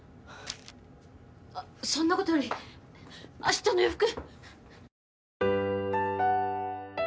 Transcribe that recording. あそんなことより明日の洋服！